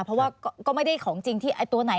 เพราะว่าก็ไม่ได้ของจริงที่ไอ้ตัวไหน